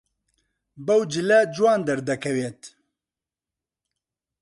بەو جلە جوان دەردەکەوێت.